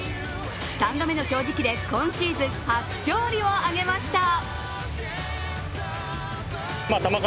３度目の正直で今シーズン初勝利を挙げました。